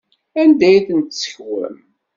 Anda ay ten-tessekwem?